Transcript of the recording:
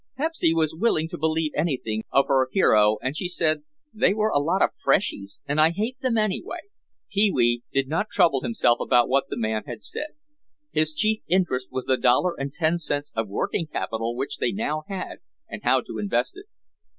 Pepsy was willing to believe anything of her hero and she said, "They were a lot of freshies and I hate them anyway." Pee wee did not trouble himself about what the man had said. His chief interest was the dollar and ten cents of working capital which they now had and how to invest it.